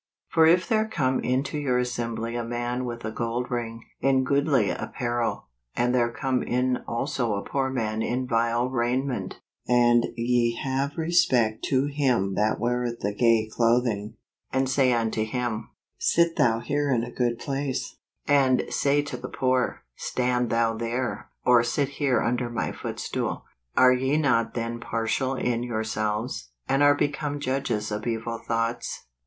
11 For if there come into your assembly a man with a gold ring , in goodly apparel, and there come in also a poor man in vile raiment; And ye have respect to him that weareth the gay clothing , and say unto him, Sit thou here in a good place; and say to the poor , Stand thou there , or sit here under my footstool: Are ye not then partial in yourselves , and are become judges of evil thoughts